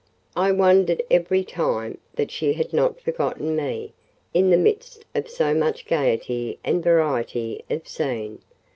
I wondered every time that she had not forgotten me, in the midst of so much gaiety and variety of scene.